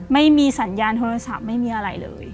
ไม่มีสัญญาณโทรศัพท์ไม่มีอะไรเลย